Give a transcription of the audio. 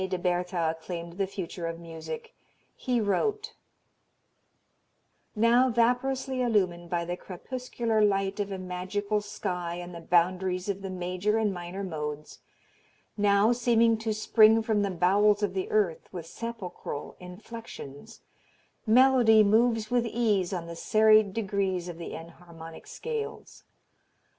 de Bertha claimed the future of music. He wrote: "Now vaporously illumined by the crepuscular light of a magical sky on the boundaries of the major and minor modes, now seeming to spring from the bowels of the earth with sepulchral inflexions, melody moves with ease on the serried degrees of the enharmonic scales.